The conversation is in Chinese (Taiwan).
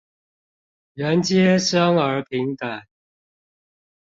人皆生而平等